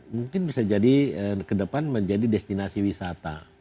mungkin bisa jadi ke depan menjadi destinasi wisata